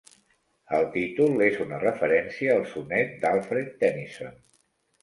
El títol és una referència al sonet d'Alfred Tennyson.